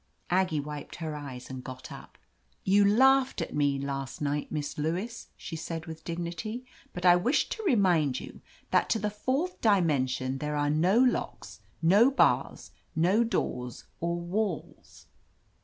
Aggie wiped her eyes and got up. "You laughed at me last night, Miss Lewis/' she said with dignity, "but I wish to remind you that to the fourth dimension there are no locks, no bars, no doors or walls."